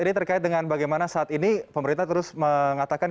ini terkait dengan bagaimana saat ini pemerintah terus mengatakan